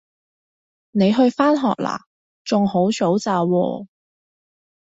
你去返學喇？仲好早咋喎